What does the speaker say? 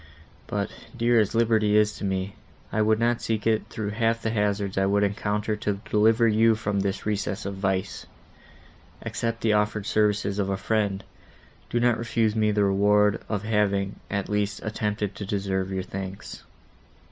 But, dear as liberty is to me, I would not seek it through half the hazards I would encounter to deliver you from this recess of vice. Accept the offered services of a friend; do not refuse me the reward of having, at least, attempted to deserve your thanks."